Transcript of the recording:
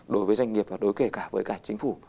đối với doanh nghiệp và đối kể cả với cả chính phủ